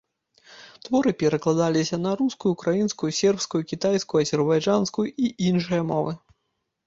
Творы перакладаліся на рускую, украінскую, сербскую, кітайскую, азербайджанскую і іншыя мовы.